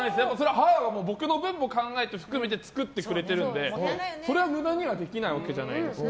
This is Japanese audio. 母が僕の分も含めて作ってくれてるんでそれは無駄にはできないわけじゃないですか。